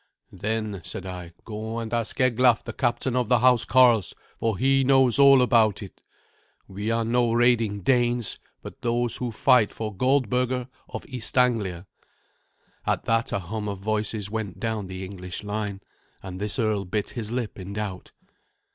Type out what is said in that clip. "Then," said I, "go and ask Eglaf, the captain of the housecarls, for he knows all about it. We are no raiding Danes, but those who fight for Goldberga of East Anglia." At that a hum of voices went down the English line, and this earl bit his lip in doubt.